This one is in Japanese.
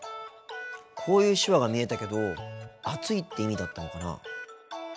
こういう手話が見えたけど暑いって意味だったのかな。